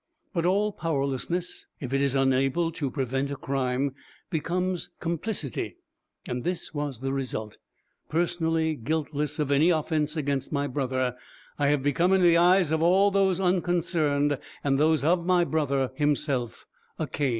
But all powerlessness, if it is unable to prevent a crime, becomes complicity; and this was the result: personally guiltless of any offence against my brother, I have become in the eyes of all those unconcerned and those of my brother himself, a Cain."